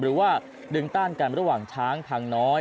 หรือว่าดึงต้านกันระหว่างช้างพังน้อย